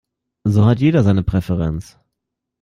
So hat jeder seine Präferenz.